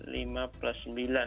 lima plus sembilan